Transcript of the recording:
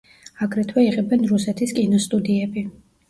აგრეთვე იღებენ რუსეთის კინოსტუდიები.